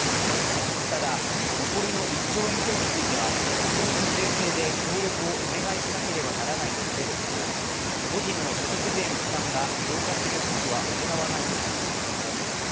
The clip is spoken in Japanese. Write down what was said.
ただ残りの１兆円強については国民の税制で協力をお願いしなければならないと述べる一方、個人の所得税の負担が増加する措置は行わないとしました。